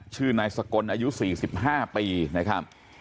ชื่อนายสกลอายุ๔๕ปีนะครับ